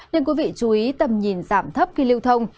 nên quý vị chú ý tầm nhìn giảm thấp khi lưu thông